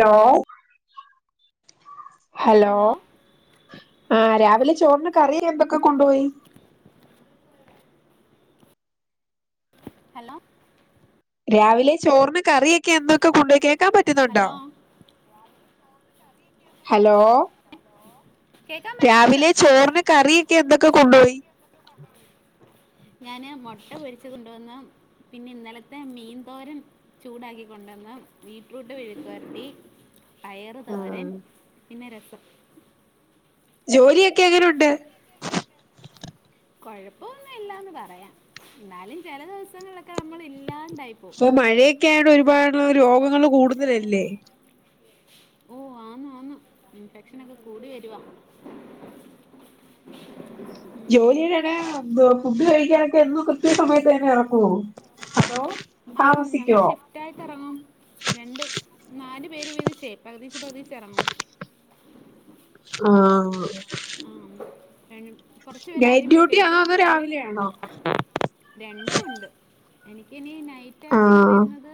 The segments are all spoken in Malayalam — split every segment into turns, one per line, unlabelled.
ലോ ഹലോ ആഹ് രാവിലെ ചോറിന് കറി എന്തൊക്കെ കൊണ്ടുപോയി
ഹലോ
രാവിലെ ചോറിന് കറിയൊക്കെ എന്തൊക്കെ കൊണ്ടോയി കേക്കാം പറ്റുന്നുണ്ടോ
ഹലോ
ഹലോ
കേൾക്കാൻ പറ്റുന്നുണ്ട്
രാവിലെ ചോറിന് കറിയെക്കെ എന്തൊക്കെ കൊണ്ടോയി
[unintelligible] ഞാന് മൊട്ട പൊരിച്ചത് കൊണ്ടുവന്നു പിന്നെ ഇന്നലത്തെ മീൻന്തോരൻ ചൂടാക്കി കൊണ്ടന്ന് വീ റ്റ്ട്രുട്ട് മെഴുക്കരട്ടി പയറ്
ആ
തോരൻ പിന്നെ രസം
ജോലിയൊക്കെ എങ്ങനെണ്ട്
കൊഴപ്പൊമൊന്നുല്ലാന്ന് പറയാം എന്നാലും ചെല ദിവസങ്ങളൊക്കെ നമ്മള് ഇല്ലാണ്ടായി
ഇപ്പൊ
പോവും
മഴയൊക്കെ ആയോണ്ട് ഒരുപാട് രോഗങ്ങള് കൂടുതലല്ലേ
ഓഹ് ആന്ന് ആന്ന് ഇൻഫെക്ഷനൊക്കെ കൂടി വരുവാ ഉം.
ജോലി [unintelligible] ഫുഡ് കഴിക്കാനൊക്കെ എന്നും കൃത്യ സമയത്ത് തന്നെ ഇറങ്ങോ, ഹലോ
ആ ഞങ്ങള് സെറ്റായിട്ട് ഇറങ്ങും രണ്ട് നാല് പേര് വീതിച്ചേ പകുതി ച്ചേ പകുതി ച്ചേ ഇറങ്ങും
ആഹ്
ആ കൊറച്ചു പേരെ
നൈറ്റ്
ആദ്യം പോയി
ഡ്യൂട്ടി ആണോ
കഴിക്കും
അതോ
അവര്
രാവിലെയാണോ
രണ്ടും ഉണ്ട് എനിക്ക് ഇനി
ആ
നൈറ്റായിട്ട് ന്ന് വരുന്നത്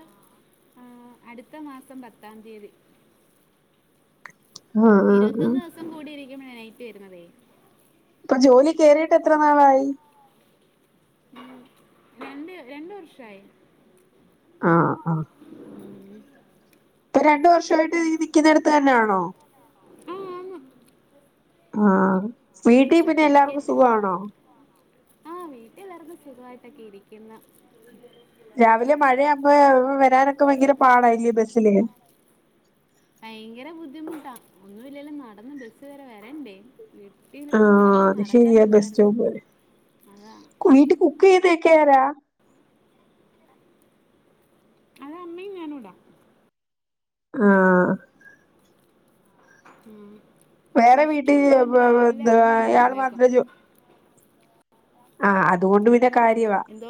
ആഹ്അടുത്ത മാസം പത്താം തീയതി
ആ ആ ആ
ഇരുപത്തൊന്ന് ദിവസം കൂടി ഇരിക്കുമ്പ നൈറ്റ് വരുന്നതേ
ഇപ്പൊ ജോലി കയറിയിട്ട് എത്ര നാളായി
ഉം രണ്ട് രണ്ട് വർഷായി
ആഹ് ആഹ് ഇപ്പം രണ്ടു വർഷവായിട്ട് ഈ നിക്കുന്നെട്ത്ത്ന്നെയാണോ
ആ ആന്ന്
ആഹ് വീട്ടീ പിന്നെ എല്ലാർക്കും സുഖാണോ
ആഹ് വീട്ടില് ർക്കുല്ലാ സുഖവായിട്ടൊക്കെ ഇരിക്കുന്ന
രാവിലെ മഴയാകുമ്പോ വരാനൊക്കെ ഭയങ്കര പാടായില്ലേ ബസ്സില്
ഭയങ്കര ബുദ്ധിമുട്ടാ ഒന്നില്ലല്ലോ നടന്ന് ബസ്സ് വരെ വരണ്ടേ വീട്ടി നിർത്തുന്ന
ആഹ്
കൊറച്ച്
അത് ശരിയാ ബസ്
നടക്കാനുണ്ടായിരുന്നു
സ്റ്റോപ്പ് വരെ
അതാ
[unintelligible]
അത് അമ്മേം ഞാനുണ്ടാ
ആഹ്
ഉം
വേറെ
പശു
വീട്ടിൽ
ഇണ്ടായണ്ട് രാവിലെ
എന്തുവാ
അമ്മേ അങ്ങ്
ഇയാള്
എഴുന്നേക്കും
മാത്രേ ജോ ആഹ് അതുകൊണ്ട് പിന്നെ കാര്യവാ
എന്തോ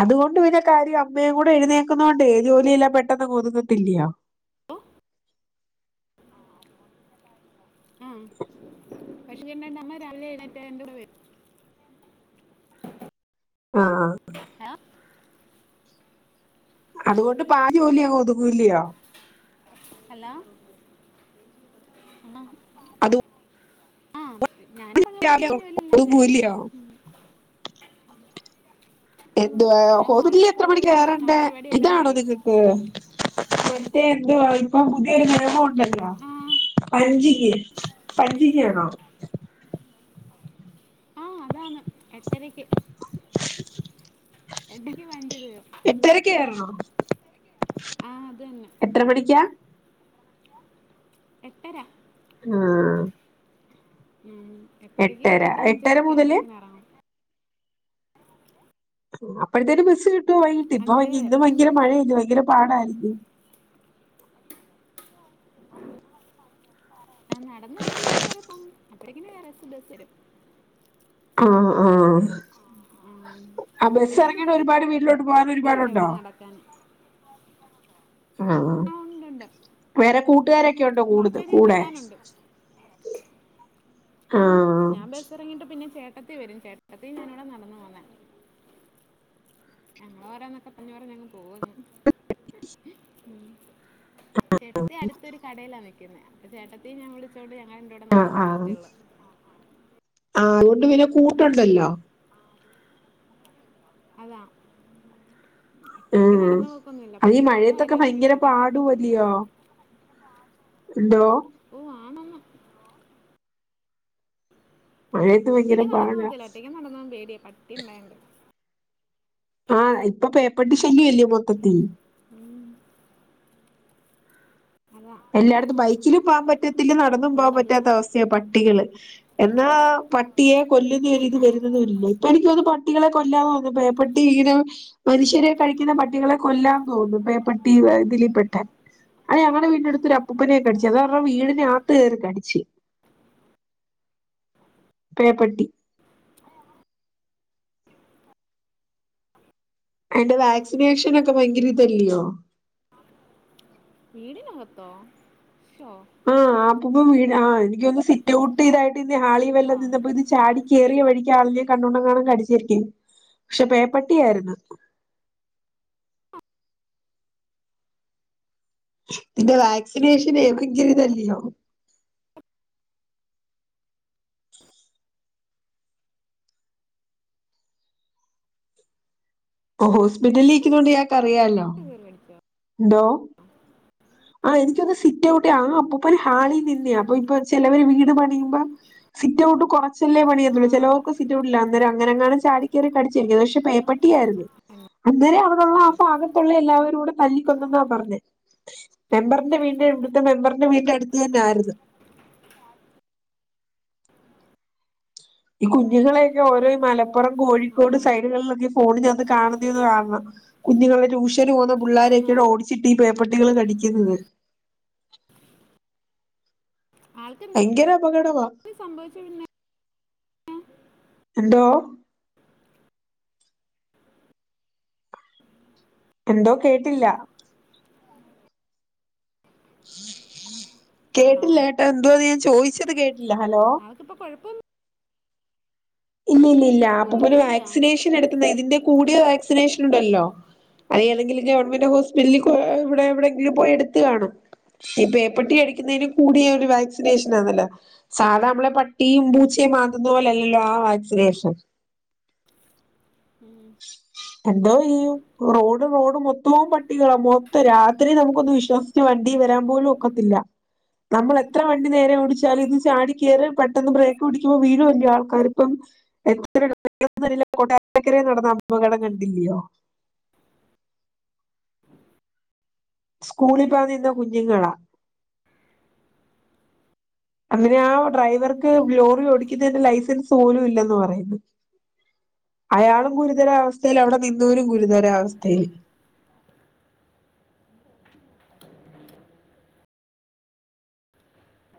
അതുകൊണ്ട് പിന്നെ കാര്യ അമ്മയും കൂടെ എഴുന്നേക്കുന്നൊണ്ട് ജോലിയില്ലാം പെട്ടെന്ന് പോകുന്നട്ടില്ലയോ
[inaudible] ആഹ പശു [unintelligible] അമ്മ രാവിലെ എഴണേറ്റ എന്റെൂടെ വരു
ആഹ്ആഹ്
ഹലോ
അതുകൊണ്ട് പാ ജോലി ഒതുകൂല്ലിയോ
ഹലോ ആ
അത്
ആഹ്
രാവിലെ
ഞാനിറങ്ങമ്പത്തേക്കും ജോലിയെല്ലാം കഴിയും
ഒതുങ്ങൂല്ലയോ
അ
എന്തുവാ ഹോസ്റ്റലിൽ എത്ര മണിക്കാ
ആ
കയറണ്ട്
പരിപാടി എല്ലാം
ഇതാണോ
കഴിയും
നിങ്ങൾ മറ്റേ എന്തുവാ ഇപ്പൊ പുതിയൊരുമ
ആ
പഞ്ചിക് പഞ്ചികണോ
ആഹ് അതാണ് എട്ടരക്ക് എട്ടരക്ക് വണ്ടി വരും
എട്ടരക്ക് കയറണോ എത്ര മണിക്കാ
എട്ടര
ആഹ്
ഉം എട്ടരക്ക്
എട്ടര
കയറിട്ട് അഞ്ചര
എട്ടര
ഒക്കെ
മുതല്
ആവുമ്പോഴത്തിന് അറങ്ങും
അപ്പോഴത്തെന് ബസ്സ് കിട്ടോ വൈങ്ങീട്ട് ഇപ്പ
അഞ്ചര വരെ
ഇന്നും ഭയങ്കര മഴയല്ലേ ഭയങ്കര പാടായിരിക്കും
നടന്നെത്തി ഇഗ്ഷൻ വരെ പോും അപ്പോഴേക്ക വേറെ ബസ് വരും
ആ ആഹ്
ആം.
ആ ബസ്
വലിയ
ഇറങ്ങിട്ട
ദൂരം
ഒരുപാട് വീട്ടിലോട്ട് പോകാൻ
ഇല്ല ഇവിടെ
ഒരുപാടുണ്ടോ
നടക്കാൻ
ആഹ്
ആ ഉണ്ട് ഉണ്ട്
വേറെ കൂട്ടുകാരൊക്കെ ഉണ്ടോ കൂടത്
കുറച്ചധികം
കൂടെ
നടക്കാനുണ്ട്
ആ
ആഹ് ഞാൻ ബസ് ഇറങ്ങിയിട്ട് പിന്നെ ചേട്ടത്തി വരും ചേട്ടത്തിം ഞാനുടെ നടന്ന് പോന്ന ഞങ്ങൾ വരാന്നൊക്കെ [unintelligible] പോകുന്നു ഉം. ചേട്ടത്തി അട്ത്തൊരു കടേലാ നിക്കുന്നെ അപ്പോ ചേട്ട ണ്ടിം ഞാൻ വിളിച്ചോണ്ട് ഞങ്ങള് രണ്ടൂടെ നടന്നങ്ങ് പോകത്തേയുള്ളൂ.
ആഹ് അത് കൊണ്ട് പിന്നെ കൂട്ടുണ്ടല്ലോ.
അതാ. ഒറ്റയ്ക്ക്
ഉം
നടന്നു പോക്കൊന്നുമില്ല
അതീ
പട്ടികളുടെ
മഴയത്തൊക്കെ
കാര്യമൊന്നും
ഭയങ്കര
വിഷ്ടിക്കാൻ പറ്റത്തില്ലല്ലോ
പാടുവല്ലിയോ? എന്തോ?
ഓ ആണന്ന്.
മഴയത്ത് ഭയങ്കര
ഒറ്റയ്ക്ക് നടന്ന്
പാടാ
പോകത്തില്ല ഒറ്റയ്ക്ക് നടന്നോകാൻ പേടിയ പട്ടിണ്ടായോണ്ട്.
ആഹ് ഇപ്പൊ പേപ്പട്ടി ശല്യംല്ലേ മൊത്തത്തി
ഉം. അതാ.
എല്ലായിടത്തും ബൈക്കിലും പോകാൻ പറ്റത്തില്ല നടന്നും
ഓ
പോകാൻ
അത്
പറ്റാത്ത
തന്നെ
അവസ്ഥയ പട്ടികള്. എന്നാ പട്ടിയെ കൊല്ലുന്ന ഒരിത്
ആ
വരുന്നതുല്ലേ. അപ്പോ എനിക്കൊന്നുന്നു പട്ടികളെ കൊല്ലാ തോന്നുന്നു വേപട്ടി ഇങ്ങനെ. മനുഷ്യരെ കഴിക്ക്ന്ന പട്ടികളെ കൊല്ലാം തോന്നുന്നു വേ പട്ടി ഇതില് പ്പെട്ട. അതേ ഞങ്ങള്ടെ വീട്ടിനടുത്ത് ഒരു അപ്പൂപ്പനെ കടിച്ച് അതാ അവരുടെ വീടിനകത്ത് കയറി കടിച്ച്. പേ പ്പട്ടി. അയ്ന്റെ വാക്സിനേഷൻ ഒക്കെ ഭയങ്കരിതല്ലൃയോ?
വീടിനകത്തോ ശോ
ആഹ്. അപ്പൂപ്പൻ വീഴ ആഹ് എനിക്ക് തോന്ന്ന്ന് സിറ്റൗട്ട് ഇതായിട്ട് ഇനി ഹാളി വല്ലം നിന്നപ്പോ ഇത് ചാടി കേറിയ വഴി
വീടിനകത്ത്
ആളിഞ്ഞ കണ്ടൊണ്ടങ്ങാണ് കടിച്ചിരിക്കും പക്ഷേ പേപ്പട്ടിയായിരുന്നു. ഇതിന്റെ വാക്സിനേഷൻ ഏതെങ്കിലും ഇതല്ലയോ. ഓ ഹോസ്പിറ്റലിൽ നിക്കൃന്ന കൊണ്ട് ഇയാക്ക് അറിയാലോ.
എങ്ങനെ അടിക്കാ?
എന്തോ? ആഹ് എനിക്കൊന്ന് സിറ്റൗട്ടി ആഹ് അപ്പൂപ്പന് ഹാളി നിന്നയാ അപ്പോ ഇപ്പ ചെലവര് വീട് പണിയുമ്പം. സിറ്റൗട്ട് കുറ ചെല്ലേ
ആ
പണിയെന്നുള്ളൂ ചെലേർക്ക് സിറ്റൗട്ടില്ല അന്നെരം അങ്ങനെങ്ങ ചാടി കയറി കടിച്ചായിരികും പക്ഷേ പേപ്പട്ടിയായിരുന്നു. അന്നേര അവിടുള്ള ആഹ് ഭാഗത്തുള്ള എല്ലാവരും കൂടെ തല്ലിക്കൊന്നെന്നാ പറ്ഞ്ഞെ. മെമ്പറ്ന്റെ വീടിന്റെ ഇവിടുത്തെ മെമ്പറ്ന്റെ വീടിൻ്റെ അടുത്ത് തന്നെ ആയിരുന്നു. ഈ കുഞ്ഞുങ്ങളെയൊക്കെ ഓരോ ഈ മലപ്പുറം
ആ,
കോഴിക്കോട്. സൈഡുകളിൽ ഒക്കെ ഈ ഫോണിനകത്ത് കാണുന്ന ഒന്നു കാണണം കുഞ്ഞുങ്ങളുടെ ട്യൂഷന് പോകുന്ന
ആന്നോ
പിള്ളാരൊക്ക ഓടി ചിട്ടി പേപ്പട്ടികള് കടിക്കുന്നത്. ഭയങ്കര അപകടവാ
ആൾക്കെന്തേലും സംഭവിച്ചു [unintelligible]
എന്തോ? എന്തോ കേട്ടില്ല.
ആണോ
കേട്ടില്ല ഏട്ടാ എന്തോ ഞാൻ ചോദിച്ചത് കേട്ടില്ല ഹലോ.
മ്മക്കിപ്പൊ കൊഴപ്പം ഒന്നും.
ഇല്ല ഇല്ല ഇല്ല അപ്പൊ പിന്നെ
ഇല്ലയോ?
വാക്സിനേഷൻ എടുക്ക്ന്ന ഇതിന്റെ കൂടിയ വാക്സിനേഷൻ ഉണ്ടല്ലോ. അത് ഏതെങ്കിലും ഗവൺമെന്റ് ഹോസ്പിറ്റലില്‍ ഇവിടെ എവിടെയ എങ്കിലും പോയി എടുത്ത് കാണും. ഈ പേപ്പെട്ടി കടിക്കുന്നതിന് കൂടിയ ഒരു വാക്സിനേഷൻ ആണല്ലോ. സാധാ നമ്മളെ പട്ടിയും പൂച്ചയും മാന്തുന്നത് പോലല്ലല്ലോ ആഹ് വാക്സിനേഷൻ.
ഉം
എന്തോയ്യും. Road road മൊത്തോം പട്ടികളാ. മൊത്തം രാത്രി നമുക്കൊന്ന് വിശ്വാസ ച്ചു വണ്ടി വരാൻ പോലും ഒക്കത്തില്ല. നമ്മൾ എത്ര വണ്ടി നേരെ ഓടിച്ചാലും ഇത് ചാടി കേറ പെട്ടെന്ന് ബ്രേക്ക് പിടിക്കുമ്പോ വീഴോല്ലേ ആൾക്കാർപ്പം [unintelligible] കൊട്ടാരക്കര നടന്ന അപകടം കണ്ടില്ലയോ സ്കൂളി പോവാ നിന്ന കുഞ്ഞുങ്ങളാ അങ്ങനെ ആ ഡ്രൈവർക്ക് ലോറി ഓടിക്കുന്നതിന്റെ ലൈസൻസ് പോലും ഇല്ലന്ന് പറയുന്നു. അയാളും ഗുരുതരാവസ്ഥയിൽ അവിടെ നിന്നോരും ഗുരുതരാവസ്ഥയിൽ